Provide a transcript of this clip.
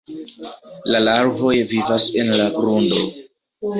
La larvoj vivas en la grundo.